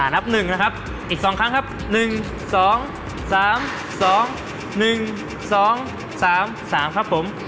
นับ๑นะครับอีก๒ครั้งครับ๑๒๓๒๑๒๓๓ครับผม